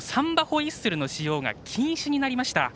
ホイッスルの使用が禁止になりました。